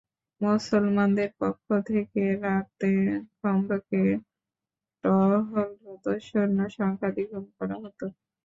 মুসলমানদের পক্ষ থেকে রাতে খন্দকে টহলরত সৈন্য সংখ্যা দ্বিগুণ করা হত।